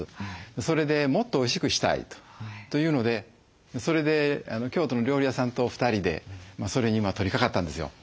それでもっとおいしくしたいというのでそれで京都の料理屋さんと２人でそれに取りかかったんですよ。